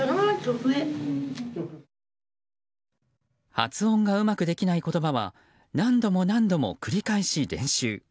発音がうまくできない言葉は何度も何度も繰り返し、練習。